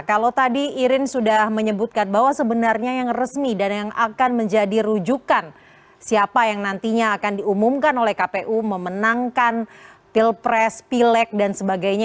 kalau tadi irin sudah menyebutkan bahwa sebenarnya yang resmi dan yang akan menjadi rujukan siapa yang nantinya akan diumumkan oleh kpu memenangkan pilpres pilek dan sebagainya